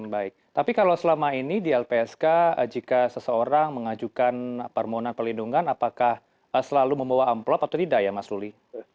baik tapi kalau selama ini di lpsk jika seseorang mengajukan permohonan perlindungan apakah selalu membawa amplop atau tidak ya mas ruli